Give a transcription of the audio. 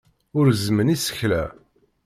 Ur gezzmen isekla.